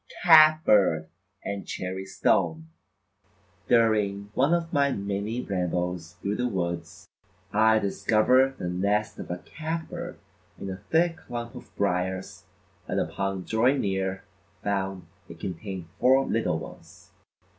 Cat Bird and Cherry Stone: During one of my many rambles through the woods, I discovered the nest of a Cat Bird in a thick clump of briars and upon drawing near found it contained four little ones.